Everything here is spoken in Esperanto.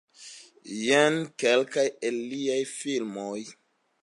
Jen kelkaj el liaj filmoj.